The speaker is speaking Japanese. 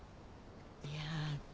いや。